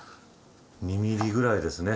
２ｍｍぐらいですね。